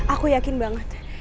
aku yakin banget